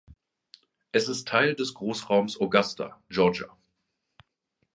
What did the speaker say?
Es ist Teil des Großraums Augusta, Georgia.